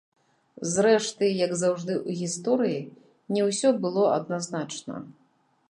Зрэшты, як заўжды ў гісторыі, не ўсё было адназначна.